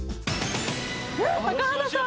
高畑さん